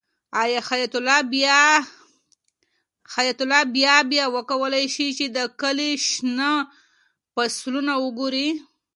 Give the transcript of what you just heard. آیا حیات الله به بیا وکولی شي چې د کلي شنه فصلونه وګوري؟